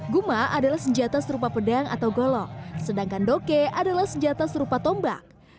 guma adalah senjata serupa pedang atau golong sedangkan doke adalah senjata serupa tombak